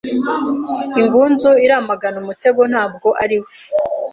Ingunzu iramagana umutego ntabwo ari we